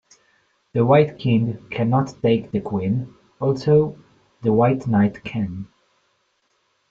The white king cannot take the queen, although the white knight can.